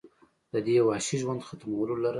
د دې وحشي ژوند ختمولو لره